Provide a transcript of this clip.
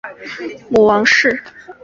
母王氏。